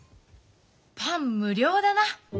パン無量だな。